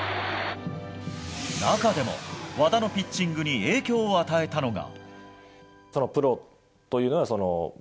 中でも、和田のピッチングに影響を与えたのが。